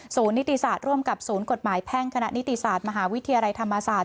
นิติศาสตร์ร่วมกับศูนย์กฎหมายแพ่งคณะนิติศาสตร์มหาวิทยาลัยธรรมศาสตร์